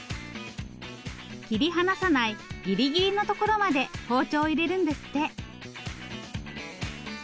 切り離さないぎりぎりのところまで包丁を入れるんですって。